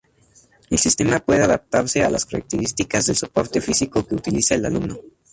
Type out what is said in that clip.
El sistema puede adaptarse a las características del soporte físico que utiliza el alumno.